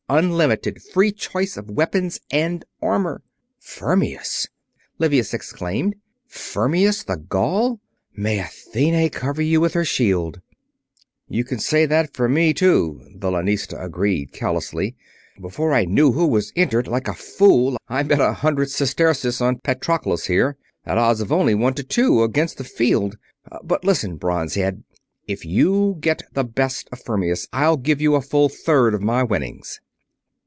Unlimited. Free choice of weapons and armor." "Fermius!" Livius exclaimed. "Fermius the Gaul? May Athene cover you with her shield!" "You can say that for me, too," the lanista agreed, callously. "Before I knew who was entered, like a fool, I bet a hundred sesterces on Patroclus here, at odds of only one to two, against the field. But listen, Bronze head. If you get the best of Fermius, I'll give you a full third of my winnings."